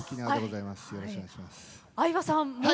相葉さん